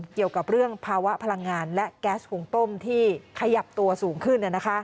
เกี่ยวกับเรื่องภาวะพลังงานและแก๊สหุงต้มที่ขยับตัวสูงขึ้น